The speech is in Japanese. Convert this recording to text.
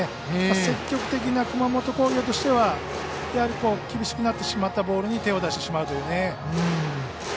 積極的な熊本工業としては厳しくなってしまったボールに手を出してしまうというね。